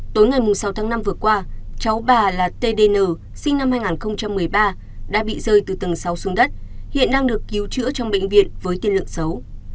tối ngày sáu tháng năm vừa qua cháu bà là tdn sinh năm hai nghìn một mươi ba đã bị rơi từ tầng sáu xuống đất hiện đang được cứu chữa trong bệnh viện với tiên lượng xấu